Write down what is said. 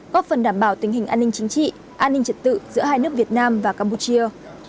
góp phần đảm bảo tình hình an ninh chính trị an ninh trật tự giữa hai nước việt nam và campuchia